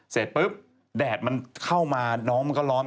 เสร็จปุ๊บแดดมันเข้ามาน้องมันก็ร้อน